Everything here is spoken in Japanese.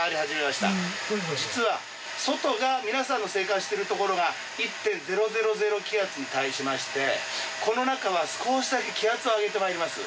実は外が皆さんの生活してるところが１．０００気圧に対しましてこの中は少しだけ気圧を上げて参ります。